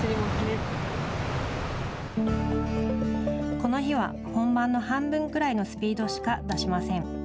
この日は、本番の半分くらいのスピードしか出しません。